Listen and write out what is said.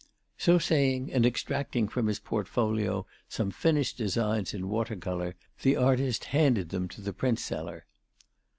So saying and extracting from his portfolio some finished designs in water colour, the artist handed them to the printseller.